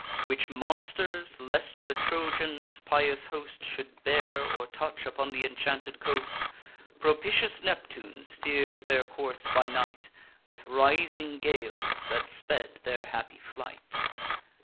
Which monsters lest the Trojans' pious host Should bear, or touch upon th' inchanted coast, Propitious Neptune steer'd their course by night With rising gales that sped their happy flight.